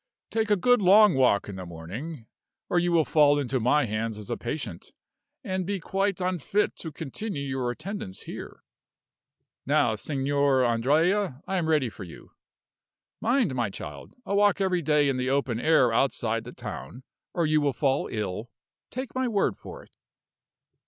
Take a good long walk in the morning, or you will fall into my hands as a patient, and be quite unfit to continue your attendance here. Now, Signor Andrea, I am ready for you. Mind, my child, a walk every day in the open air outside the town, or you will fall ill, take my word for it!"